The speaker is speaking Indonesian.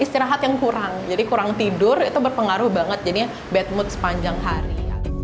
istirahat yang kurang jadi kurang tidur itu berpengaruh banget jadinya bad mood sepanjang hari